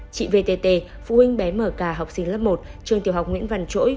chị vtt phụ huynh bé mở cà học sinh lớp một trường tiểu học nguyễn văn trỗi